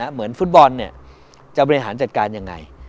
เหมือนฟุตบอลจะบริหารจัดการยังไง